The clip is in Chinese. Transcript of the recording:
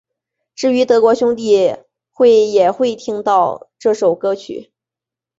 至于德国兄弟会也会听到这首歌曲。